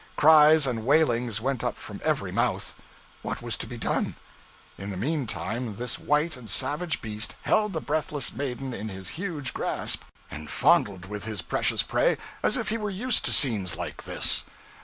Cries and wailings went up from every mouth. What was to be done'? In the meantime this white and savage beast held the breathless maiden in his huge grasp, and fondled with his precious prey as if he were used to scenes like this.